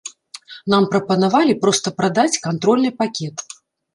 Нам прапанавалі проста прадаць кантрольны пакет.